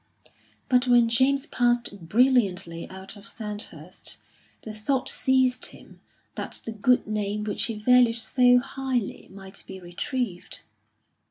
But when James passed brilliantly out of Sandhurst, the thought seized him that the good name which he valued so highly might be retrieved.